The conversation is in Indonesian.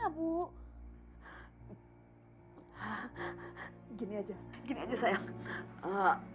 ibu takut aisyah